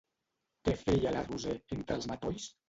Què feia la Roser entre els matolls?